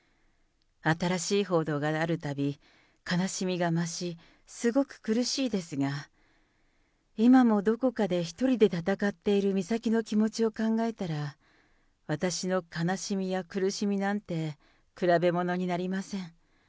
新しい報道があるたび、悲しみが増し、すごく苦しいですが、今もどこかで１人で戦っている美咲の気持ちを考えたら、私の悲しみや苦しみなんて比べものになりません。